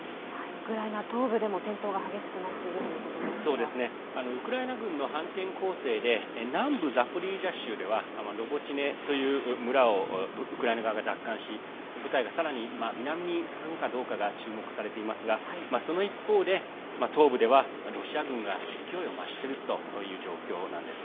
ウクライナ東部でも戦闘が激しくなっているウクライナ軍の反転攻勢で南部ザポリージャ州ではロボティネという村をウクライナ側が奪還し部隊がさらに南に進むかどうかが注目されていますがその一方で東部ではロシア軍が勢いを増しているという状況なんです。